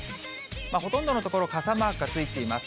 ほとんどの所、傘マークがついています。